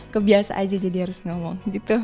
kebiasa aja jadi harus ngomong gitu